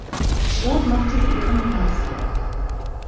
Dort machte sie ihren Master.